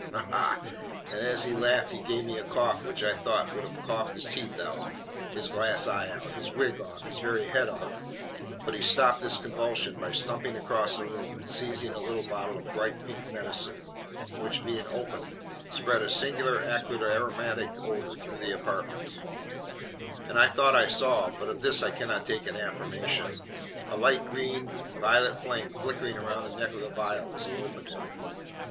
Ha, ha!" And as he laughed he gave a cough which I thought would have coughed his teeth out, his glass eye out, his wig off, his very head off; but he stopped this convulsion by stumping across the room and seizing a little bottle of bright pink medicine, which, being opened, spread a singular acrid aromatic odor through the apartment; and I thought I saw but of this I cannot take an affirmation a light green and violet flame flickering round the neck of the vial as he opened it.